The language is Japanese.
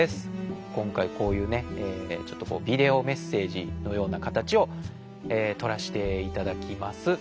こんかいこういうねちょっとビデオメッセージのようなかたちをとらしていただきます。